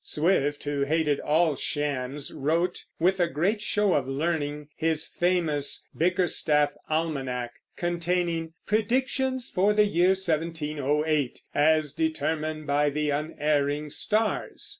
Swift, who hated all shams, wrote, with a great show of learning, his famous Bickerstaff Almanac, containing "Predictions for the Year 1708, as Determined by the Unerring Stars."